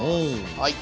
はい。